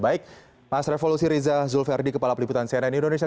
baik mas revolusi riza zulverdi kepala peliputan cnn indonesia